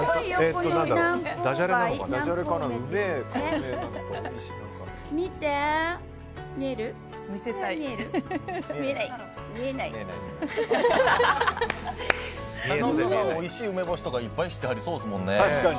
高岡さんとかおいしい梅干しいっぱい知ってはりそうですもんね。